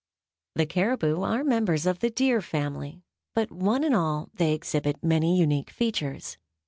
The caribou are members of the Deer Family, but one and all they exhibit many unique features.